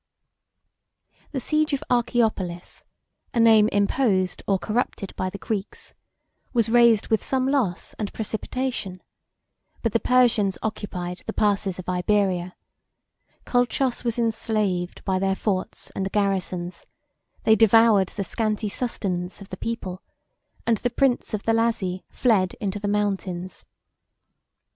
The siege of Archaeopolis, a name imposed or corrupted by the Greeks, was raised with some loss and precipitation; but the Persians occupied the passes of Iberia: Colchos was enslaved by their forts and garrisons; they devoured the scanty sustenance of the people; and the prince of the Lazi fled into the mountains.